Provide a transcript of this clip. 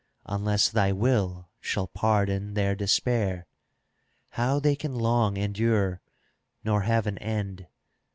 Unless thy will shall pardon their despair. How they can long endure, nor have an end.